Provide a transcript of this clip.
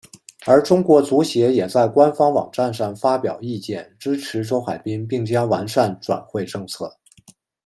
而中国足协也在官方网站上发表意见支持周海滨并将完善转会政策。